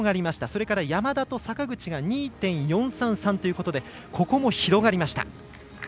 それから山田と坂口が２．４３３ということでここも広がりました。